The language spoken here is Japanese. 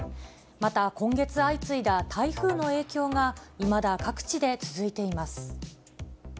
また、今月相次いだ台風の影響が、いまだ各地で続いています。